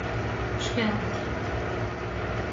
Škelt.